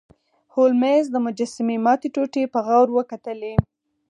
هولمز د مجسمې ماتې ټوټې په غور وکتلې.